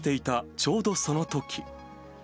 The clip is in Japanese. ちょうどそのとき。